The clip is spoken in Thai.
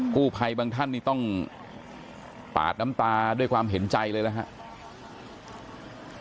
ภัยบางท่านนี่ต้องปาดน้ำตาด้วยความเห็นใจเลยนะครับ